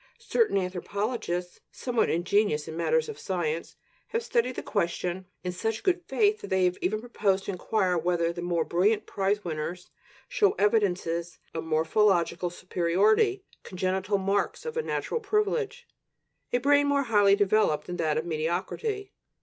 Certain anthropologists, somewhat ingenious in matters of science, have studied the question in such good faith that they have even proposed to inquire whether the more brilliant prize winners show evidences of morphological superiority, congenital marks of a natural privilege, a brain more highly developed than that of mediocrity.